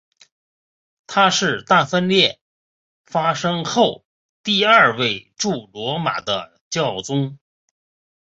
他是大分裂发生后第二位驻罗马的教宗。